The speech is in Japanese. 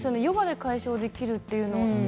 ヨガで解消できるっていうのは。